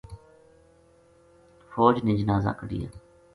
فوج نے جنازہ کَڈھیا